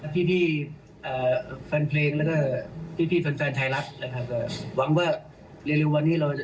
พี่แฟนเพลงแล้วก็พี่แฟนไทยรัฐหวังว่าเรียนรู้วันนี้